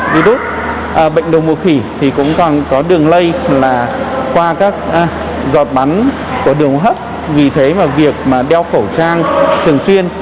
và qua các giọt bắn của đường hấp vì thế mà việc mà đeo khẩu trang thường xuyên